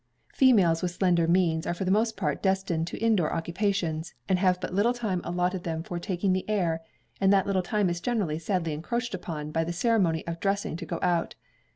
Females with slender means are for the most part destined to indoor occupations, and have but little time allotted them for taking the air, and that little time is generally sadly encroached upon by the ceremony of dressing to go out.